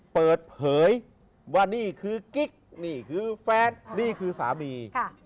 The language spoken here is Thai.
เปิดเผยว่านี่คือกิ๊กนี่คือแฟนนี่คือสามี